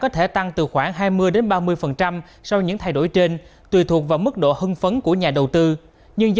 theo nguyện vọng cá nhân